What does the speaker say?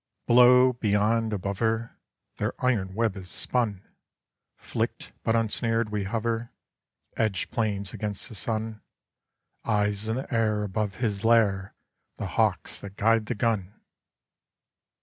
Below, beyond, above her, Their iron web is spun! Flicked but unsnared we hover, Edged planes against the sun: Eyes in the air above his lair, The hawks that guide the gun!